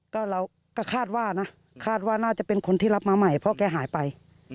ก็เราก็คาดว่านะคาดว่าน่าจะเป็นคนที่รับมาใหม่เพราะแกหายไป